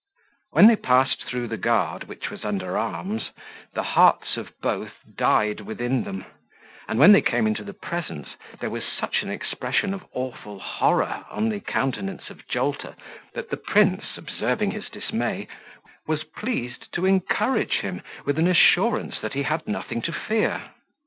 When they passed through the guard, which was under arms, the hearts of both died within them; and when they came into the presence, there was such an expression of awful horror on the countenance of Jolter, that the prince, observing his dismay, was pleased to encourage him with an assurance that he had nothing to fear.